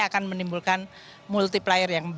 akan menimbulkan multiplier yang